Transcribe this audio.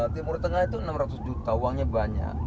timur tengah itu enam ratus juta uangnya banyak